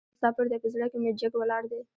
احمد مساپر دی؛ په زړه کې مې جګ ولاړ دی.